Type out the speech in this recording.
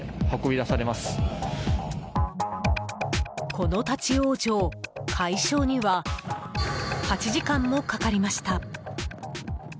この立ち往生解消には８時間もかかりました。